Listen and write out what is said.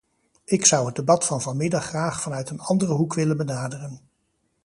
Ik zou het debat van vanmiddag graag vanuit een andere hoek willen benaderen.